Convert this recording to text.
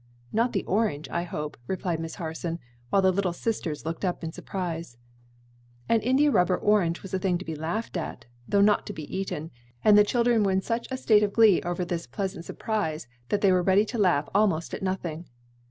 "Not the orange, I hope?" replied Miss Harson, while the little sisters looked up in surprise. An India rubber orange was a thing to be laughed at, though not to be eaten, and the children were in such a state of glee over this pleasant surprise that they were ready to laugh almost at nothing.